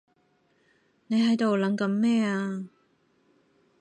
你喺度諗緊咩啊？